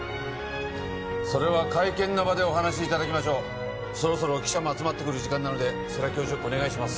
それは会見の場でお話しいただきましょうそろそろ記者も集まってくる時間なので世良教授お願いします